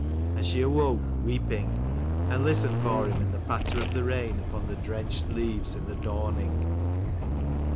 And she awoke weeping, and listened for him, in the patter of the rain upon the drenched leaves in the dawning.